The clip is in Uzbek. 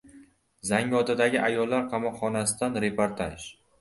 Zangiotadagi ayollar qamoqxonasidan reportaj